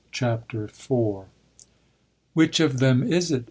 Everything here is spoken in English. CHAPTER IV "Which of them is it?"